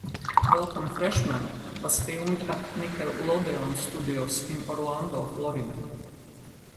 "Welcome Freshmen" was filmed at Nickelodeon Studios in Orlando, Florida.